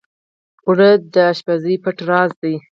اوړه د پخلي پټ راز دی